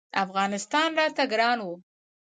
افغانستان راته ګران و.